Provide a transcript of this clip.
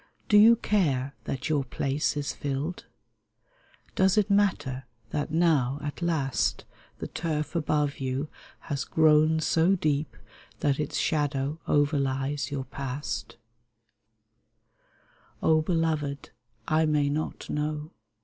Do you care that your place is filled ? Does it matter that now at last The turf above you has grown so deep That its shadow overlies your past ? l62 THIS DAY O, beloved, I may not know